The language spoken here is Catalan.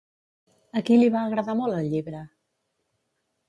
A qui li va agradar molt el llibre?